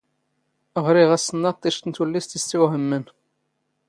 ⵖⵔⵉⵖ ⴰⵙⵙⵏⵏⴰⵟ ⵉⵛⵜ ⵏ ⵜⵓⵍⵍⵉⵙⵜ ⵉⵙⵜⴰⵡⵀⵎⵎⴰⵏ.